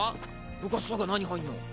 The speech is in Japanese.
部活とか何入んの？